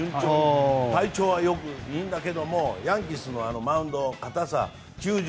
体調はいいんだけどもヤンキースのマウンド硬さ、球場。